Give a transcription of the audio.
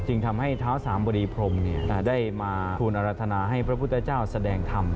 จึงทำให้เท้าสามบรีพรมได้มาทูลอรรถนาให้พระพุทธเจ้าแสดงธรรม